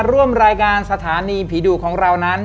ร่วมรายการสถานีผีดุของเรานั้น